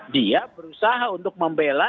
dia berusaha untuk membela